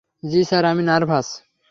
জি sir, আমি nervous.